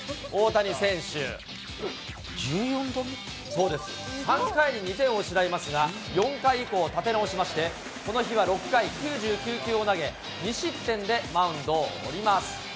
そうです、３回に２点を失いますが、４回以降は立て直しまして、この日は６回９９球を投げ、２失点でマウンドを降ります。